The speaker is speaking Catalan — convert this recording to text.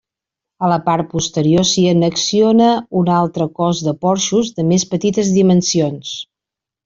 A la part posterior s'hi annexiona un altre cos de porxos de més petites dimensions.